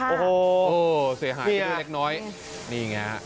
โอ้โฮเสียหายไปด้วยเล็กน้อยนี่อย่างนี้ครับพี่ฮะ